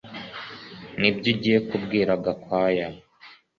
Nibyo ugiye kubwira Gakwaya